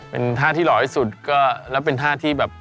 เป็นท่าที่หล่อที่สุดก็แล้วเป็นท่าที่แบบ